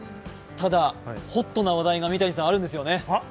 ただ、ホットな話題があるんですよね。